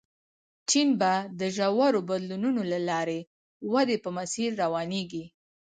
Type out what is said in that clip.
چین به د ژورو بدلونونو له لارې ودې په مسیر روانېږي.